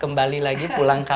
kembali lagi pulang ke allah